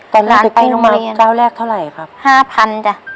ตอนนี้ไปกู้มักเจ้าแรกเท่าไรครับห้าพันจ่ะ